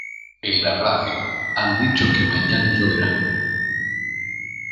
En la radio han dicho que mañana lloverá.